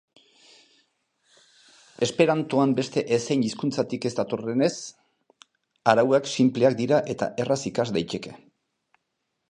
Esperantoan beste ezein hizkuntzatatik ez datorrenez, arauak sinpleak dira eta erraz ikas daiteke.